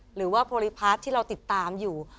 หรือว่าโพลิพาทที่เราติดตามอยู่